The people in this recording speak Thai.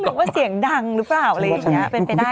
คุณลึกว่าเสียงดังหรือเปล่าเป็นไปได้เนอะ